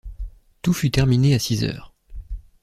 Tout fut terminé à six heures.